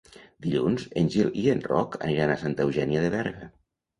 Dilluns en Gil i en Roc aniran a Santa Eugènia de Berga.